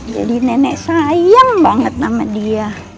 tapi nenek sayang banget sama dia